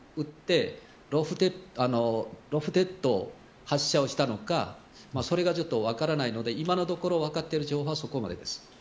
高く打ってロフテッド発射したのかそれがちょっと分からないので今のところ分かっている情報はそこまでです。